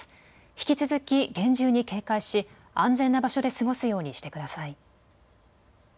引き続き厳重に警戒し安全な場所で過ごすようにしてください。